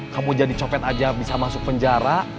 kamu jadi copet aja bisa masuk penjara